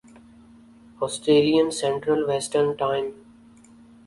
Australian central western time